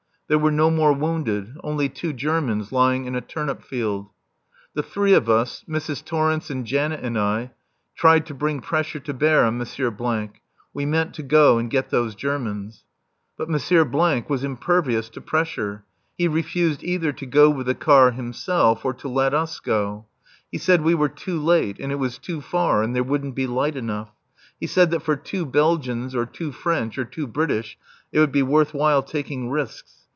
There were no more wounded. Only two Germans lying in a turnip field. The three of us Mrs. Torrence and Janet and I tried to bring pressure to bear on M. . We meant to go and get those Germans. But M. was impervious to pressure. He refused either to go with the car himself or to let us go. He said we were too late and it was too far and there wouldn't be light enough. He said that for two Belgians, or two French, or two British, it would be worth while taking risks.